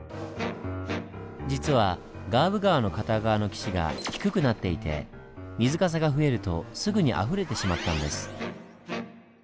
実はガーブ川の片側の岸が低くなっていて水かさが増えるとすぐにあふれてしまったんです。